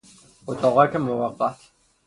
اتاقک موقت